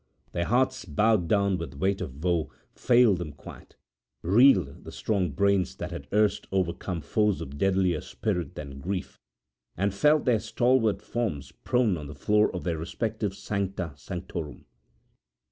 Their hearts, bowed down with weight of woe, failed them quite; reeled the strong brains that had erst overcome foes of deadlier spirit than grief; and fell their stalwart forms prone on the floors of their respective sancta sanctorum.